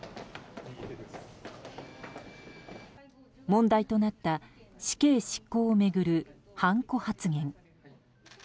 問題となった死刑執行を巡るはんこ発言。